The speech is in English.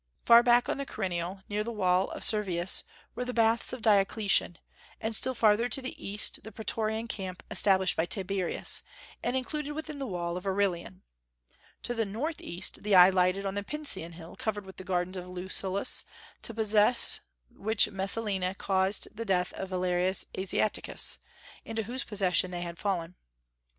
Far back on the Quirinal, near the wall of Servius, were the Baths of Diocletian, and still farther to the east the Pretorian Camp established by Tiberius, and included within the wall of Aurelian. To the northeast the eye lighted on the Pincian Hill covered with the gardens of Lucullus, to possess which Messalina caused the death of Valerius Asiaticus, into whose possession they had fallen.